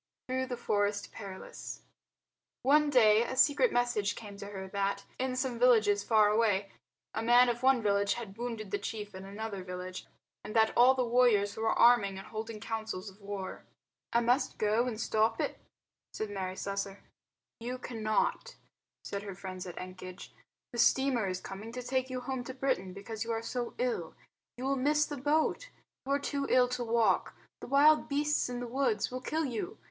Through the Forest Perilous One day a secret message came to her that, in some villages far away, a man of one village had wounded the chief in another village and that all the warriors were arming and holding councils of war. "I must go and stop it," said Mary Slessor. "You cannot," said her friends at Ekenge, "the steamer is coming to take you home to Britain because you are so ill. You will miss the boat. You are too ill to walk. The wild beasts in the woods will kill you.